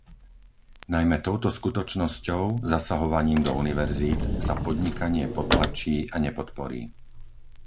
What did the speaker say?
Najmä touto skutočnosťou, zasahovaním do univerzít, sa podnikanie potlačí a nepodporí.